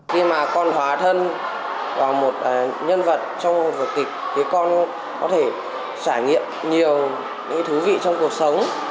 khi mà con hóa thân vào một nhân vật trong một vật kịch thì con có thể trải nghiệm nhiều thứ vị trong cuộc sống